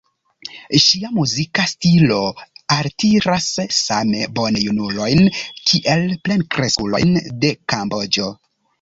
Ŝia muzika stilo altiras same bone junulojn kiel plenkreskulojn de Kamboĝo.